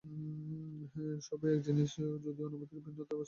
সবই এক জিনিষ, যদিও অনুভূতির বিভিন্ন স্তর হইতে দেখা হইতেছে।